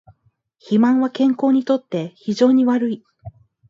肥満は健康にとって非常に悪い